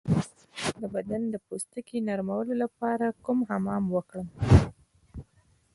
د بدن د پوستکي د نرمولو لپاره کوم حمام وکړم؟